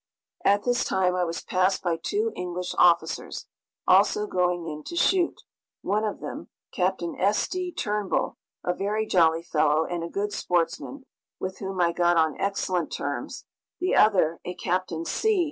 At this time I was passed by two English officers, also going in to shoot one of them, Captain S. D. Turnbull, a very jolly fellow and a good sportsman, with whom I got on excellent terms; the other, a Captain C.